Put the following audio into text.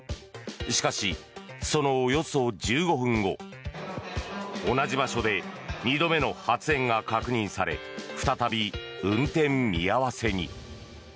しかし、そのおよそ１５分後同じ場所で２度目の発煙が確認され再び運転見合わせに。